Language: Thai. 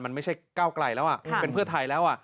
มันไม่ใช่ก้าวไกลแล้วเป็นเพื่อไทยแล้ว